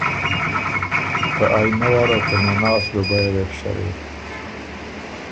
ته آئینۀ واله ته نناس ډوبیه وې بُو شرېک